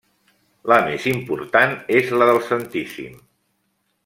La més important és la del Santíssim.